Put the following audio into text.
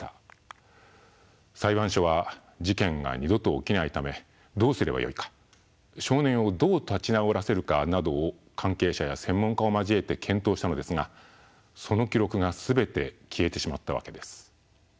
裁判所は事件が二度と起きないためどうすればよいか少年をどう立ち直らせるかなどを関係者や専門家を交えて検討したのですがその記録が全て消えてしまったわけです。